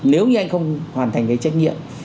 nếu như anh không hoàn thành cái trách nhiệm